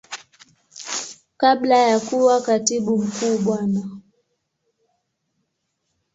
Kabla ya kuwa Katibu Mkuu Bwana.